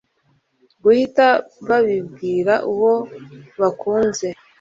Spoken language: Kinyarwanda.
guhita babibwira uwo bakunze